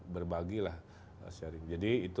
berbagilah jadi itu